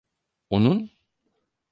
Onun?